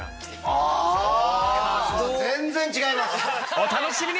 お楽しみに！